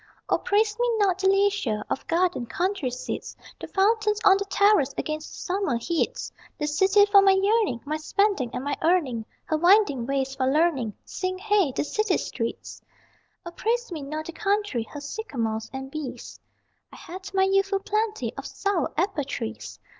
O praise me not the leisure Of gardened country seats, The fountains on the terrace against the summer heats The city for my yearning, My spending and my earning. Her winding ways for learning, Sing hey! the city streets! O praise me not the country, Her sycamores and bees, I had my youthful plenty of sour apple trees!